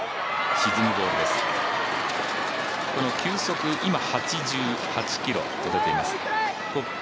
この球速、今、８８キロと出ています。